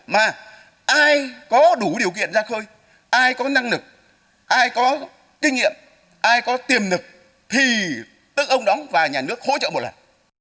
mà ai có đủ điều kiện ra khơi ai có năng lực ai có kinh nghiệm ai có tiềm lực thì tức ông đóng và nhà nước hỗ trợ một lần